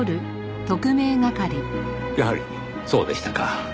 やはりそうでしたか。